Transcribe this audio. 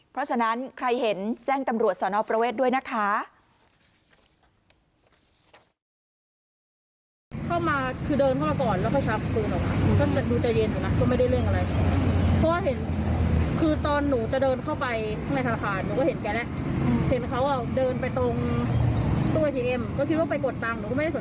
เพราะฉะนั้นใครเห็นแจ้งตำรวจสนประเวทด้วยนะคะ